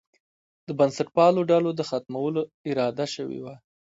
د بنسټپالو ډلو د ختمولو اراده شوې وه.